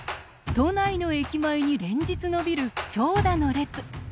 都内の駅前に連日伸びる長蛇の列。